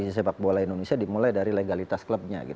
kompetisi sepak bola indonesia dimulai dari legalitas klubnya